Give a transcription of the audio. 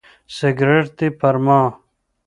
سګرټ دې پر ما.